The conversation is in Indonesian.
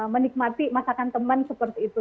menikmati masakan teman seperti itu